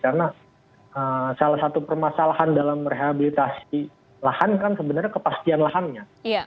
karena salah satu permasalahan dalam rehabilitasi lahan kan sebenarnya kepastian lahannya